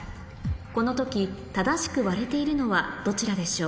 この時正しく割れているのはどちらでしょう？